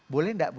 boleh enggak bu